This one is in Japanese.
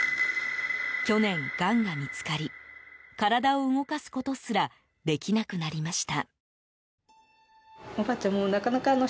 去年、がんが見つかり体を動かすことすらできなくなりました。